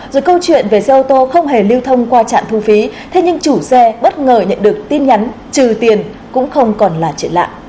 rồi câu chuyện về xe ô tô không hề lưu thông qua trạm thu phí thế nhưng chủ xe bất ngờ nhận được tin nhắn trừ tiền cũng không còn là chuyện lạ